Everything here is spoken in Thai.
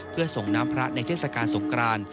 เพื่อส่งน้ำพระในเทศกาลสงคราน